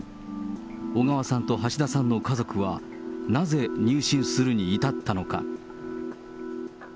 小川さんと橋田さんの家族は、なぜ入信するに至ったのか。